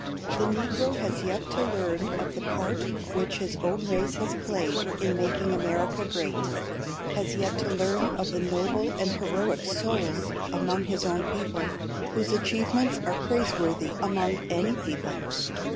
The Negro has yet to learn of the part which his own race has played in making America great; has yet to learn of the noble and heroic souls among his own people, whose achievements are praiseworthy among any people.